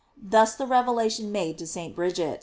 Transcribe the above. Thus the revelation made to St. Bridget.